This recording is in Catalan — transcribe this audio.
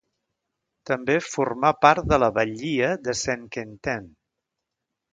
També formà part de la batllia de Saint-Quentin.